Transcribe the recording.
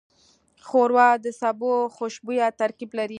ښوروا د سبو خوشبویه ترکیب لري.